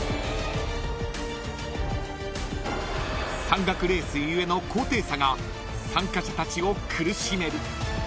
［山岳レース故の高低差が参加者たちを苦しめる］